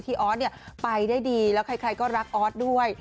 ที่อ๊อตไปได้ดีแล้วใครก็รักอ๊อตด้วย